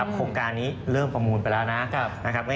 โครงการนี้เริ่มประมูลไปแล้วนะครับ